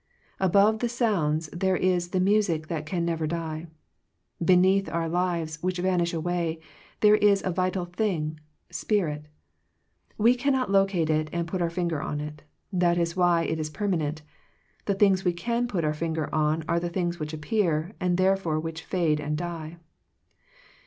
Above the sounds there is the music that can never die. Beneath our lives, which vanish away, there is a vital thing, spirit We cannot locate it and put our finger on it; that is why it is per manent The things we can put our fin ger on are the things which appear, and therefore which fade and die.